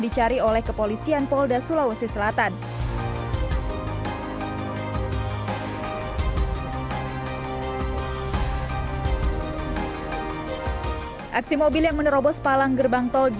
dicari oleh kepolisian polda sulawesi selatan aksi mobil yang menerobos palang gerbang tol